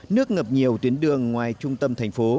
nước ngập nhiều tuyến đường ngoài trung tâm thành phố